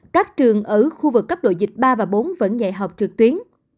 các trường ở khu vực cấp độ dịch ba và bốn vẫn dạy học trực tuyến